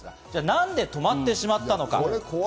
何で止まってしまったのか。